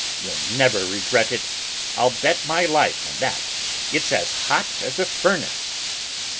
You'll never regret it. I'll bet my life on that, it's as hot as a furnace!"